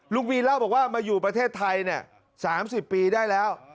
วีเล่าบอกว่ามาอยู่ประเทศไทย๓๐ปีได้แล้ว